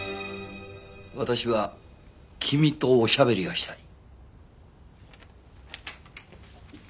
私は君とおしゃべりがしたい。